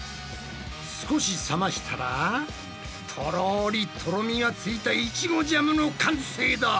少し冷ましたらとろりとろみがついたイチゴジャムの完成だ！